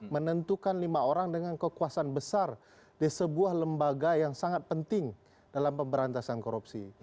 menentukan lima orang dengan kekuasaan besar di sebuah lembaga yang sangat penting dalam pemberantasan korupsi